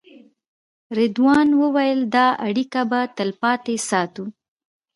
رضوان وویل دا اړیکه به تلپاتې ساتو.